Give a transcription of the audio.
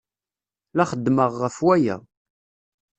La xeddmeɣ ɣef waya.